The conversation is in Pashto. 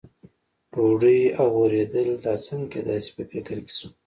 ډوډۍ او ورېدل، دا څنګه کېدای شي، په فکر کې شو.